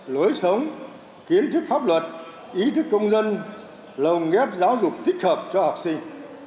lối sống kiến thức pháp luật ý thức công dân lồng ghép giáo dục thích hợp cho học sinh